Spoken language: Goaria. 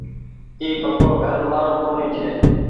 اي پڪو گهر مآرو ڪونيٚ ڇي ۔